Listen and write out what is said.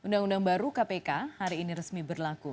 undang undang baru kpk hari ini resmi berlaku